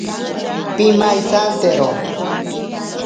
Pimaisantero.